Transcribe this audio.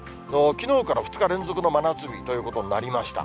きのうから２日連続の真夏日ということになりました。